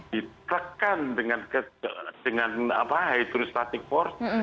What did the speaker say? ditekan dengan hidrostatik force